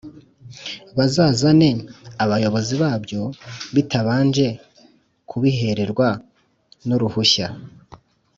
bazazane abayobozi babyo bitabanje kubihererwanuruhushya